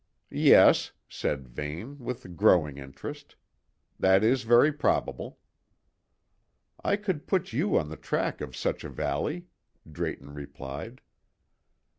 "Yes," said Vane, with growing interest. "That is very probable." "I could put you on the track of such a valley," Drayton replied.